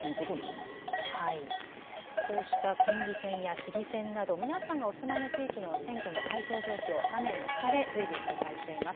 こうした県議選や市議選など、皆さんがお住まいの地域の選挙の開票状況、画面の下で随時、紹介しています。